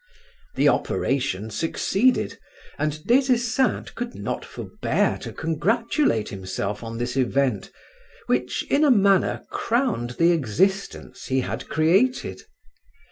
The operation succeeded and Des Esseintes could not forbear to congratulate himself on this event which in a manner crowned the existence he had created.